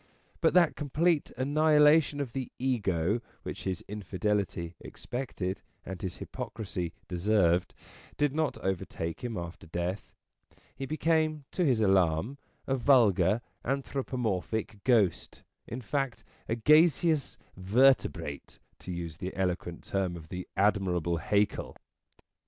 But that complete annihilation of the Ego, which his infidelity expected and his hypocrisy deserved, did not overtake him after death. He became, to his alarm, a vulgar, anthropomorphic ghost, in fact, a gaseous vertebrate, to use the eloquent term of the admirable Haeckel.